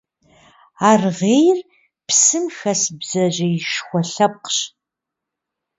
Аргъейр псым хэс бдзэжьеишхуэ лъэпкъщ.